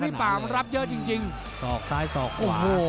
พี่ป่ามันรับเยอะจริงจริงสอกซ้ายสอกโอ้โห